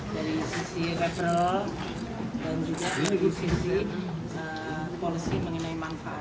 dari sisi reberol dan juga dari sisi polisi mengenai manfaat